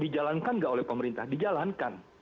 dijalankan nggak oleh pemerintah dijalankan